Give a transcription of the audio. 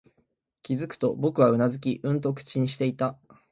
気づくと、僕はうなずき、うんと口にしていた